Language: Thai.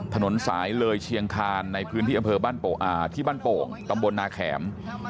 ถนนสายเลยเชียงคานในพื้นที่บ้านโป่งตำบลนาแขม